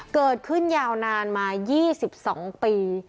เกิดขึ้นยาวนานมา๒๒ปี